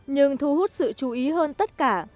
nhưng thu hút sự chú ý hơn tất cả